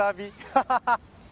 ハハハハ！